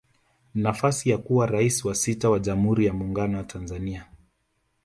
Nafasi ya kuwa Rais wa sita wa jamhuri ya Muungano wa Tanzania